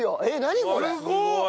すごい！